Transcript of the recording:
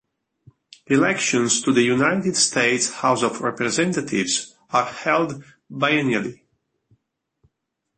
Elections to the United States House of Representatives are held biennially.